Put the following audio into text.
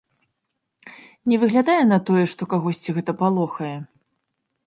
Не выглядае на тое, што кагосьці гэта палохае.